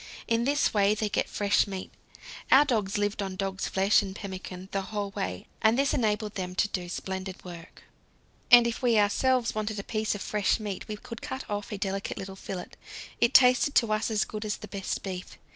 In this way they get fresh meat. Our dogs lived on dog's flesh and pemmican the whole way, and this enabled them to do splendid work. And if we ourselves wanted a piece of fresh meat we could cut off a delicate little fillet; it tasted to us as good as the best beef.